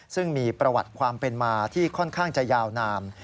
ซึ่งมีประวัติความเป็นมาที่ค่อนข้างจะยาวนาน